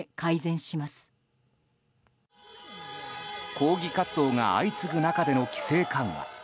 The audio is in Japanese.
抗議活動が相次ぐ中での規制緩和。